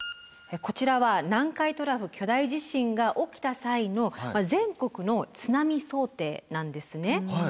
こちらは南海トラフ巨大地震が起きた際の全国の津波想定なんですね。